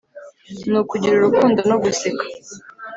ni ukugira urukundo no guseka